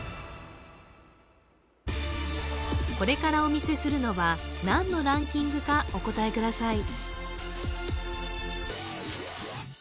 これからお見せするのは何のランキングかお答えください